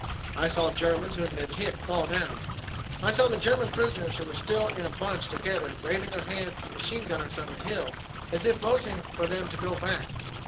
I saw Germans who had been hit fall down. I saw the German prisoners who were still in a bunch together waving their hands at the machine gunners on the hill as if motioning for them to go back.